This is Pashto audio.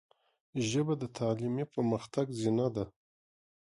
ژبه د تعلیمي پرمختګ زینه ده